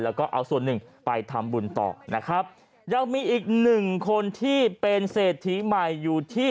แล้วก็เอาส่วนหนึ่งไปทำบุญต่อนะครับยังมีอีกหนึ่งคนที่เป็นเศรษฐีใหม่อยู่ที่